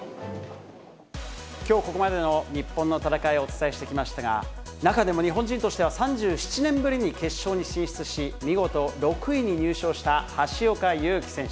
きょう、ここまでの日本の戦いをお伝えしてきましたが、中でも日本人としては３７年ぶりに決勝に進出し、見事、６位に入賞した橋岡優輝選手。